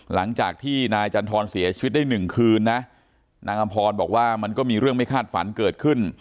หลังจากที่นายจันทรเสียชีวิตได้หนึ่งคืนนะนางอำพรบอกว่ามันก็มีเรื่องไม่คาดฝันเกิดขึ้น